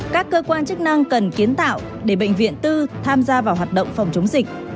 các cơ quan chức năng cần kiến tạo để bệnh viện tư tham gia vào hoạt động phòng chống dịch